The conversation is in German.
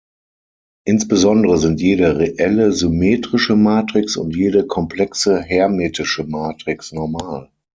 Insbesondere sind jede reelle symmetrische Matrix und jede komplexe hermitesche Matrix normal.